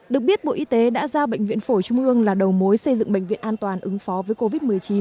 được biết bộ y tế đã giao bệnh viện phổi trung ương là đầu mối xây dựng bệnh viện an toàn ứng phó với covid một mươi chín